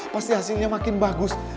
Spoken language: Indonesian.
pasti hasilnya makin bagus